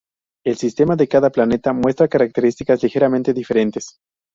El sistema de cada planeta muestra características ligeramente diferentes.